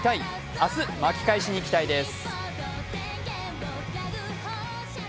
明日、巻き返しに期待です。